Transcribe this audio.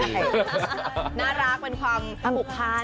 น่ารักเหมือนความปกพร้อม